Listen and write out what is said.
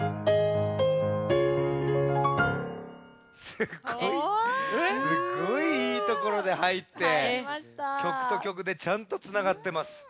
すっごいすっごいいいところではいって曲と曲でちゃんとつながってます。